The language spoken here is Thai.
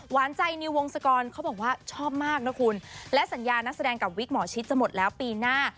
หวานใจนิววงศกรเขาบอกว่าชอบมากนะคุณและสัญญานักแสดงกับวิกหมอชิดจะหมดแล้วปีหน้า